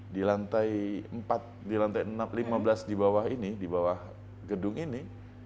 di lantai empat di lantai lima belas di bawah ini di bawah gedung ini